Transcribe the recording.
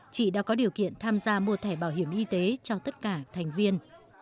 chị đã có điều kiện tham gia mua thẻ bảo hiểm y tế cho tất cả thành viên